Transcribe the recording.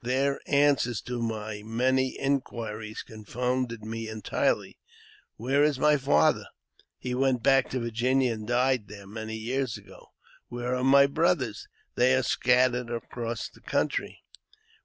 Their answers to my many inquiries confounded me entirely " "Where is my father ?"" He went back to Virginia, and died there many yeara ago." " Where are my brothers ?"" They are scattered about the country."